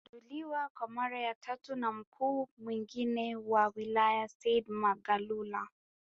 Yalizinduliwa kwa mara ya tatu na mkuu mwingine wa wilaya Said Magalula